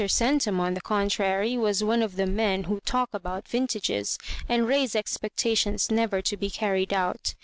Cen tum, on the contrary, was one of the men who talk about vintages, and raise expectations never to be carried out.